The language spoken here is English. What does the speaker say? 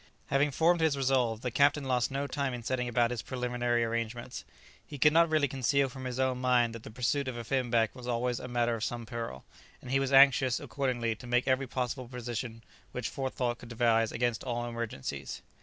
Having formed his resolve, the captain lost no time in setting about his preliminary arrangements. He could not really conceal from his own mind that the pursuit of a finback was always a matter of some peril, and he was anxious, accordingly, to make every possible provision which forethought could devise against all emergencies.